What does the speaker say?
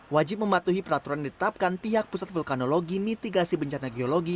wajib mematuhi peraturan yang ditetapkan pihak pusat vulkanologi mitigasi bencana geologi